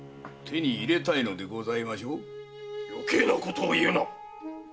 よけいなことを言うな！